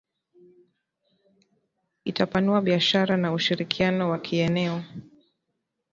Itapanua biashara na ushirikiano wa kieneo